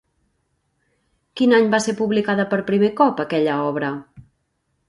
Quin any va ser publicada per primer cop aquella obra?